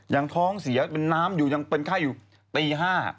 ยังท้องเสียเป็นน้ำอยู่ยังเป็นไข้อยู่ตี๕